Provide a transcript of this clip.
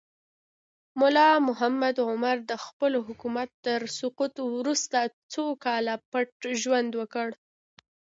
ملا محمد عمر د خپل حکومت تر سقوط وروسته څو کاله پټ ژوند وکړ.